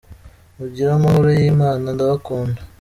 Mugire Amahoro y’Imana ! Ndabakunda !".